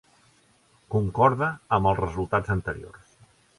Concorda amb els resultats anteriors.